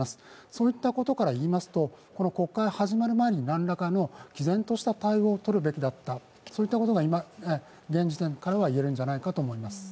そういったことからいいますと、国会が始まる前になんらかのきぜんとした対応をとるべきだったということが現時点からはいえると思います。